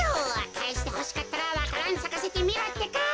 かえしてほしかったらわか蘭さかせてみろってか。